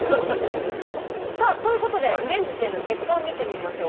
さあということで現時点の結果を見てみましょう。